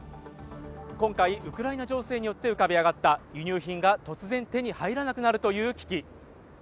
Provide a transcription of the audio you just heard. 今回ウクライナ情勢によって浮かび上がった輸入品が突然手に入らなくなるという危機。